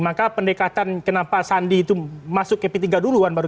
maka pendekatan kenapa sandi itu masuk ke pks dulu